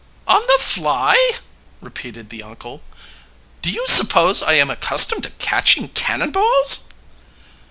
"On the fly?" repeated the uncle. "Do you suppose I am accustomed to catching cannon balls?"